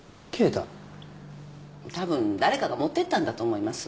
たぶん誰かが持ってったんだと思います。